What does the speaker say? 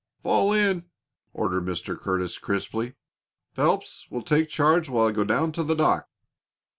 "Fall in!" ordered Mr. Curtis, crisply. "Phelps will take charge while I go down to the dock."